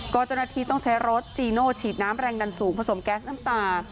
ก็เจ้าหน้าที่ต้องใช้รถจีโน่ฉีดน้ำแรงดันสูงผสมแก๊สน้ำตา